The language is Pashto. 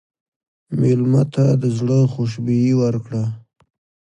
مېلمه ته د زړه خوشبويي ورکړه.